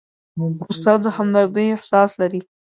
استاد د همدردۍ احساس لري.